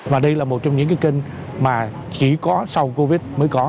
và đây là một trong những cái kênh mà chỉ có sau covid mới có